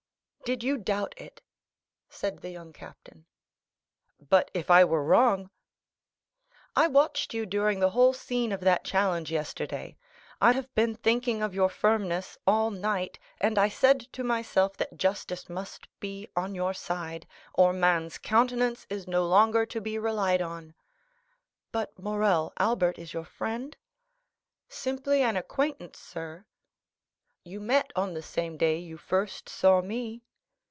"Did you doubt it?" said the young captain. "But if I were wrong——" "I watched you during the whole scene of that challenge yesterday; I have been thinking of your firmness all night, and I said to myself that justice must be on your side, or man's countenance is no longer to be relied on." "But, Morrel, Albert is your friend?" "Simply an acquaintance, sir." "You met on the same day you first saw me?"